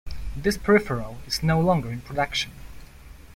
This peripheral is no longer in production.